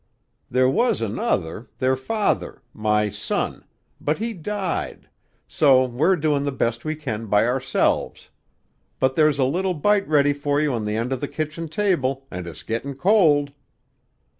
"There was another, their father my son but he died; so we're doin' the best we can by ourselves. But there's a little bite ready for you on the end of the kitchen table, and it's getting cold."